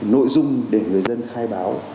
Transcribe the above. nội dung để người dân khai báo